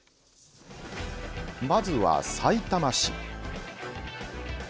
まずはさいたま市。